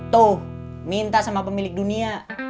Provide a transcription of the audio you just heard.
tuh minta sama pemilik dunia